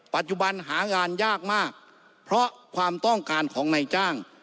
ปัจจุบันหางานยากมากเพราะความต้องการของนายจ้าง